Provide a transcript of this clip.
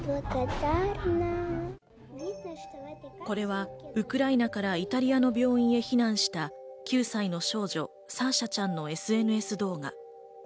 これはウクライナからイタリアの病院に避難した９歳の少女、サーシャちゃんのＳＮＳ動画。